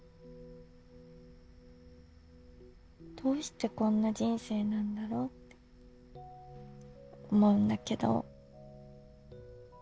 どうしてこんな人生なんだろうって思うんだけど。